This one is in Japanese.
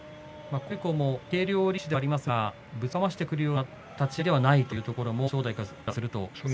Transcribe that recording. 琴恵光も軽量力士ではありますが、ぶちかましてくるような立ち合いではないというところも正代からすると。